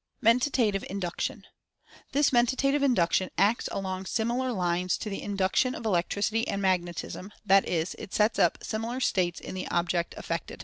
MENTATIVE INDUCTION. This Mentative Induction acts along similar lines to the "induction" of Electricity and Magnetism, that is, it sets up similar states in the object affected.